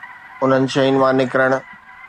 انهن شين مان نڪرڻ.